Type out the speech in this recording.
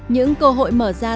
những cơ hội mở ra